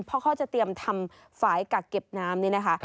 เพราะเขาจะเตรียมทำฝ่ายกักเก็บน้ำนี่นะคะ